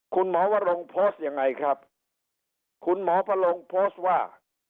คุณหมอวะลงโพสต์ยังไงครับคุณหมอพะลงโพสต์ว่า